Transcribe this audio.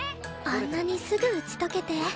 あんなにすぐ打ち解けて